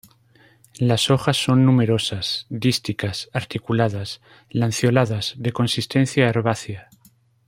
Las hojas son numerosas, dísticas, articuladas, lanceoladas, de consistencia herbácea.